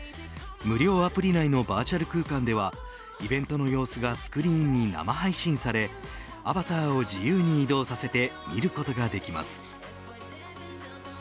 無料アプリ内のバーチャル空間ではイベントの様子がスクリーンに生配信されアバターを自由に移動させて見ることができます。